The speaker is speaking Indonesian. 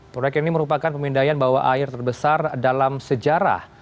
proyek ini merupakan pemindaian bawah air terbesar dalam sejarah